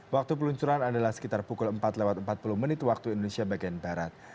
waktu peluncuran adalah sekitar pukul empat lewat empat puluh menit waktu indonesia bagian barat